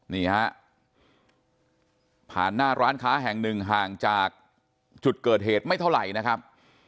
นี่ฮะผ่านหน้าร้านค้าแห่งหนึ่งห่างจากจุดเกิดเหตุไม่เท่าไหร่นะครับ